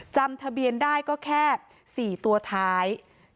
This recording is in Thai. จำทะเบียนได้ก็แค่๔ตัวท้าย